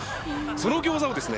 そのギョーザをですね